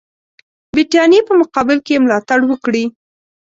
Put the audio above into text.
برټانیې په مقابل کې یې ملاتړ وکړي.